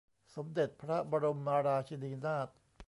สมเด็จพระบรมราชินีนาถ